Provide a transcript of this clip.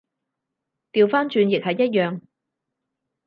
掉返轉亦係一樣